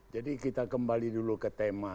jadi kita kembali dulu ke tema